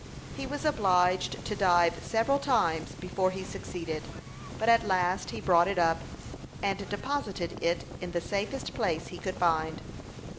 He was obliged to dive several times before he succeeded; but at last he brought it up, and deposited it in the safest place he could find.